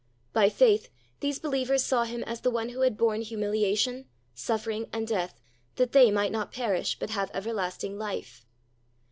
By faith these believers saw Him as the one who had borne humiliation, suffering, and death that they might not perish but have everlasting life.